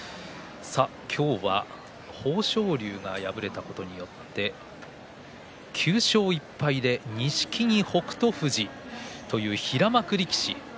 今日は豊昇龍が敗れたことによって９勝１敗で錦木と北勝富士という平幕力士。